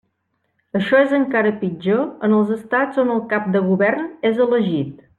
Això és encara pitjor en els Estats on el cap de govern és elegit.